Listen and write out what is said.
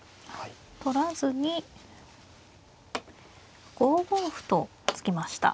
取らずに５五歩と突きました。